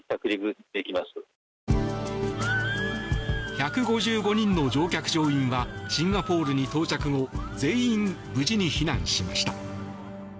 １５５人の乗客・乗員はシンガポールに到着後全員無事に避難しました。